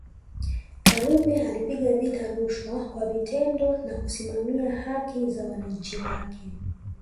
Karume alipiga vita rushwa kwa vitendo na kusimamia haki za wananchi wake